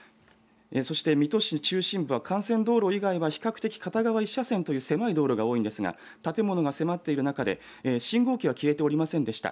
そして水戸市中心部は幹線道路以外は比較的、片側１車線という狭い道路が多いんですが建物が迫っている中で、信号機は消えておりませんでした。